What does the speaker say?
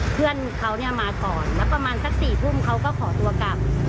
เพื่อนเขาเนี่ยมาก่อนแล้วประมาณสัก๔ทุ่มเขาก็ขอตัวกลับ